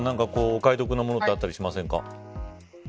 お買い得なものってあったりしませんか。